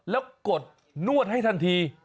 แล้วกดนวดให้ทันที